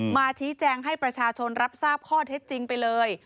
มาชี้แจงให้ประชาชนรับทราบข้อเท็จจริงไปเลย